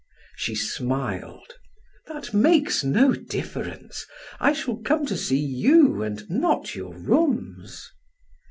She smiled: "That makes no difference. I shall come to see you and not your rooms."